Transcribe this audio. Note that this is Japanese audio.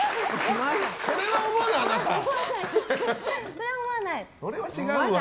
それは思わないんだ。